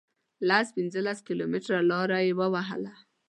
لس پنځلس کیلومتره لار یې ووهله.